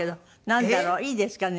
なんだろう？いいですかね？